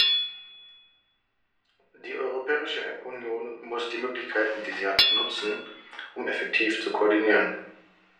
Die Europäische Union muss die Möglichkeiten, die sie hat, nutzen, um effektiv zu koordinieren.